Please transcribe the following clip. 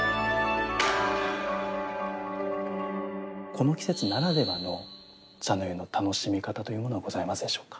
この季節ならではの茶の湯の楽しみ方というものはございますでしょうか？